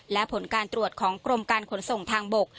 และผลการตรวจของกรมการขนส่งทางบก